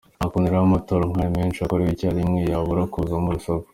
Nta kuntu rero amatora nk’ayo menshi akorewe icyarimwe yabura kuzamo urusaku !